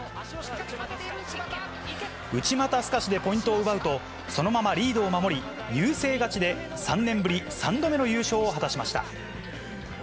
内股すかしでポイントを奪うと、そのままリードを守り、優勢勝ちで、３年ぶり３度目の優勝を果たしました。